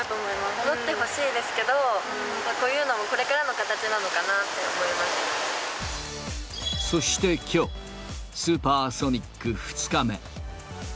戻ってほしいですけど、こういうのもこれからの形なのかそしてきょう、スーパーソニック２日目。